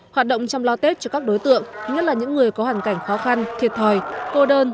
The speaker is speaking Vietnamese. hoạt động chăm lo tết cho các đối tượng nhất là những người có hoàn cảnh khó khăn thiệt thòi cô đơn